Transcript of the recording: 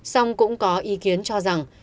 song cũng có ý kiến cho rằng